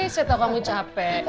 saya tahu kamu capek